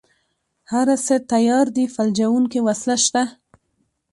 هره څه تيار دي فلجوونکې وسله شته.